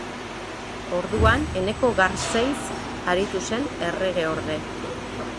Orduan Eneko Garzeitz aritu zen erregeorde.